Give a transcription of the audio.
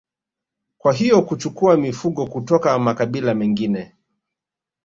Kwa hiyo kuchukua mifugo kutoka makabila mengine